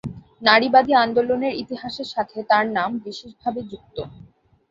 নারীবাদী আন্দোলনের ইতিহাসের সাথে তার নাম বিশেষভাবে যুক্ত।